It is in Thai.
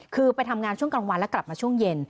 คือไปทำงานช่วงกลางวันแล้วกลับมาช่วงเย็น